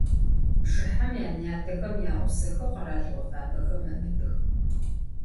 Bjjıhem yane - yatexem yağusexeu kheralığo fabexem mebıbıjıx.